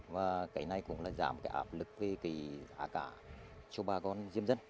và cái này cũng là giảm cái áp lực về cái giá cả cho bà con diêm dân